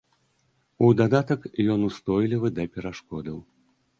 У дадатак ён устойлівы да перашкодаў.